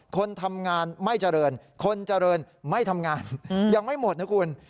คนทำงานไม่เจริญคนเจริญไม่ทำงานยังไม่หมดนะคุณ